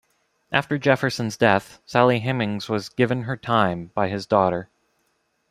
After Jefferson's death, Sally Hemings was "given her time" by his daughter.